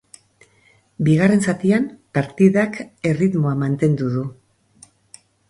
Bigarren zatian partidak erritmoa mantendu du.